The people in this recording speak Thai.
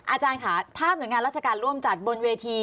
อาจารย์ค่ะถ้าหน่วยงานราชการร่วมจัดบนเวที